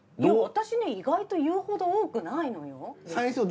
私ね意外と言うほど多くないのよ。